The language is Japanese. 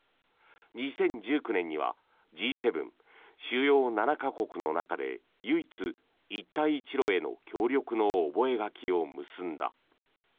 ２０１９年にはＧ７・主要７か国の中で唯一、一帯一路への協力の覚書を結んだ。